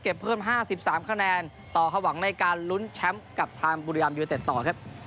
เก็บเพิ่มห้าสิบสามคะแนนต่อความหวังในการลุ้นแชมป์กับทางบุรียามอยู่เต็ดต่อครับ